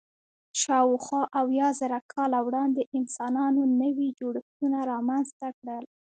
شاوخوا اویا زره کاله وړاندې انسانانو نوي جوړښتونه رامنځ ته کړل.